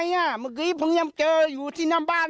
หายได้อย่างไรเมื่อกี้พวกมันยังเจออยู่ที่น้ำบ้าน